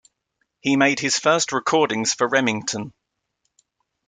He made his first recordings for Remington.